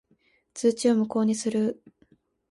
通知を無効にする。